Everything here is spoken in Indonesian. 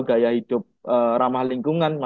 gaya hidup ramah lingkungan